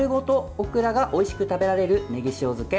オクラがおいしく食べられるネギ塩漬け。